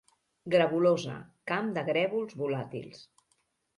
Grevolosa, camp de grèvols volàtils.